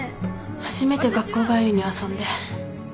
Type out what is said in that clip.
初めて学校帰りに遊んで。